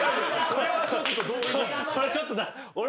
これちょっと。